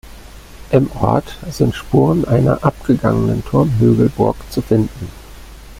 Im Ort sind Spuren einer abgegangenen Turmhügelburg zu finden.